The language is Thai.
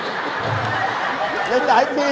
แล้วไหนมีถึงก็ได้เนี่ย